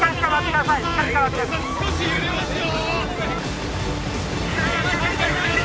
少し揺れますよ